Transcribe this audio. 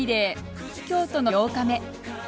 東京都の８日目。